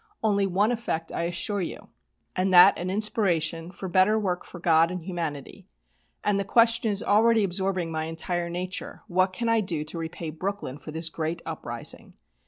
Only one effect, I assure you, and that an inspiration for better work for God and humanity. And the question is already absorbing my entire nature, 'What can I do to repay Brooklyn for this great uprising?'